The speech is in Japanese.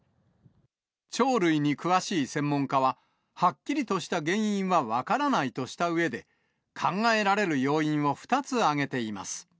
鳥類に詳しい専門家は、はっきりとした原因は分からないとしたうえで、考えられる要因を２つ挙げています。